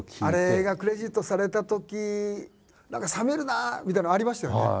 あれがクレジットされたとき何か冷めるなあみたいなのありましたよね？